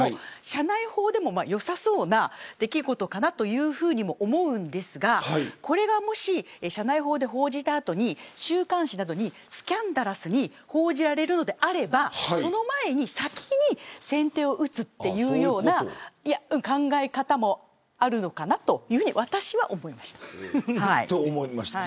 社内報でもよさそうな出来事かなというふうにも思うんですがこれがもし社内報で報じた後に週刊誌などにスキャンダラスに報じられるのであればその前に先手を打つというような考え方もあるのかなと私は思いました。